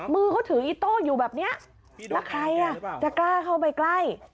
มือเขาถืออีโต้อยู่แบบนี้แล้วใครอ่ะจะกล้าเข้าไปใกล้